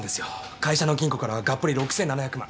会社の金庫からガッポリ６７００万。